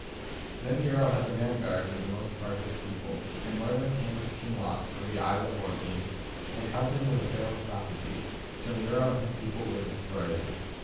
Then Nero had the vanguard with the most part of his people, and Merlin came to King Lot of the Isle of Orkney, and held him with a tale of prophecy, till Nero and his people were destroyed.